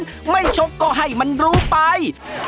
ถ้าไม่ชกก็ให้มันรู้ไป